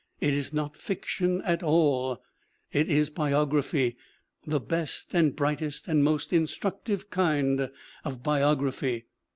It is not fiction at all, it is biography, the best and brightest and most instructive kind of biography.